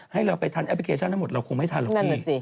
ให้เราไปทันแอปพลิเคชันทั้งหมดเราคงไม่ทันหรอกพี่